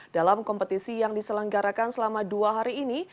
dalam kompetisi yang diselenggarakan selama dua hari ini